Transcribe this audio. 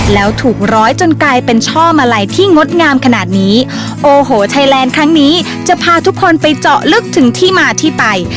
แล้วถูกร้อยจนกลายเป็นช่อมาลัยที่งดงามขนาดนี้โอ้โหไทยแลนด์ครั้งนี้จะพาทุกคนไปเจาะลึกถึงที่มาที่ไป